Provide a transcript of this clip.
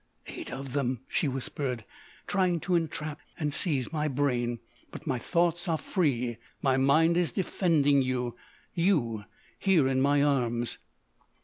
"Eight of them!" she whispered,—"trying to entrap and seize my brain. But my thoughts are free! My mind is defending you—you, here in my arms!"